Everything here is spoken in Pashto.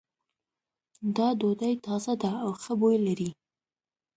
دا ډوډۍ تازه ده او ښه بوی لری